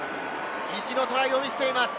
意地のトライを見せています。